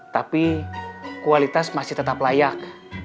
tapi kualitas masih tetap layak